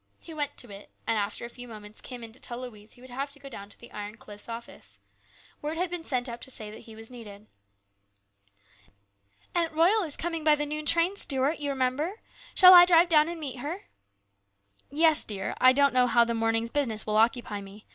He went to it, and after a few moments came in to tell Louise he would have to go down to the Iron Cliff's office. Word had been sent up that he was needed. " Aunt Royal is coming by the noon train, Stuart, you remember. Shall I drive down and meet her ?"" Yes, dear ; I don't know how the morning's business will occupy me.